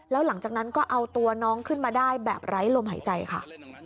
แล้วหลังจากนั้นก็เอาตัวน้องขึ้นมาได้แบบไร้ลมหายใจค่ะ